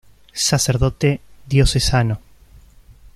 Sacerdote diocesano.